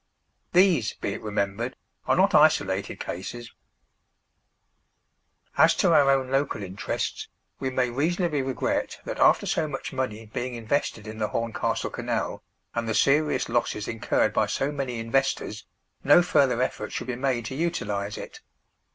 These, be it remembered, are not isolated cases. [Picture: On the Canal] As to our own local interests, we may reasonably regret that, after so much money being invested in the Horncastle Canal, and the serious losses incurred by so many investors, no further effort should be made to utilize it.